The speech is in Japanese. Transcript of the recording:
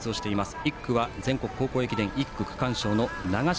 １区は全国高校駅伝１区、区間賞の長嶋。